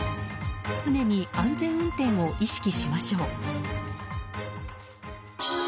常に安全運転を意識しましょう。